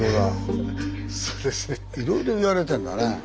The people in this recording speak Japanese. いろいろいわれてんだね。